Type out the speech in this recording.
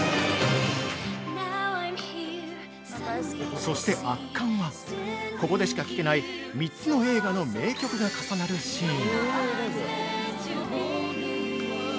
そして圧巻は、ここでしか聞けない３つの映画の名曲が重なるシーン。